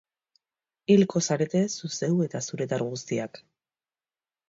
Hilko zarete zu zeu eta zuretar guztiak.